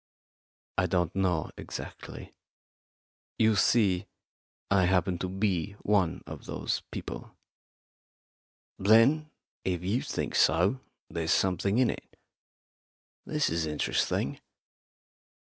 "I don't know exactly. You see, I happen to be one of those people." "Then, if you think so, there's something in it. This is interesting.